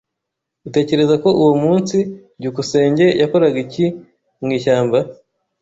Utekereza ko uwo munsi byukusenge yakoraga iki mu ishyamba?